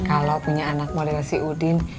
kalau punya anak model si udin